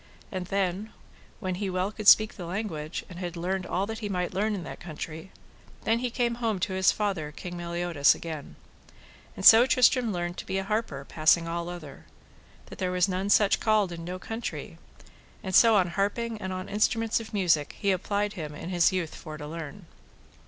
And then when he well could speak the language, and had learned all that he might learn in that country, then he came home to his father, King Meliodas, again. And so Tristram learned to be an harper passing all other, that there was none such called in no country, and so on harping and on instruments of music he applied him in his youth for to learn.